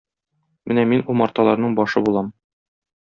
Менә мин умарталарның башы булам.